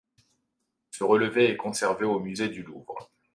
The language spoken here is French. Ce relevé est conservé au Musée du Louvre.